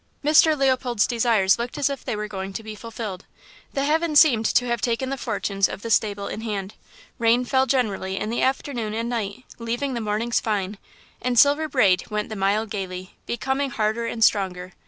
Mr. Leopold's desires looked as if they were going to be fulfilled. The heavens seemed to have taken the fortunes of the stable in hand. Rain fell generally in the afternoon and night, leaving the mornings fine, and Silver Braid went the mile gaily, becoming harder and stronger.